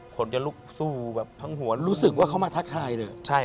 คนจะลุกสู่แบบทั้งหัวแบบเพิ่มครับก็รู้สึกว่าเขามาทักฆ่าเลย